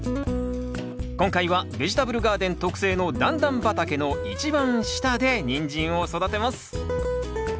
今回はベジタブルガーデン特製の段々畑の一番下でニンジンを育てます。